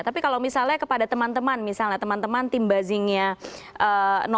tapi kalau misalnya kepada teman teman misalnya teman teman tim bazingnya dua itu bisa dianggap